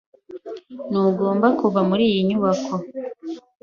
Ntugomba kuva muri iyi nyubako.